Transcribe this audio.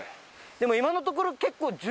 でも今のところ。